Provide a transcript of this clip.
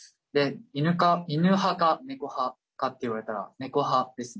犬派か猫派かって言われたら猫派です。